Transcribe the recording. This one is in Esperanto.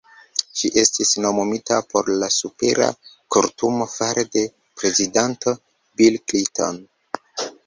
Ŝi estis nomumita por la Supera Kortumo fare de prezidanto Bill Clinton.